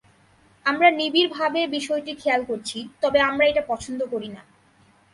আমরা নিবিড়ভাবে বিষয়টি খেয়াল করছি, তবে আমরা এটা পছন্দ করি না।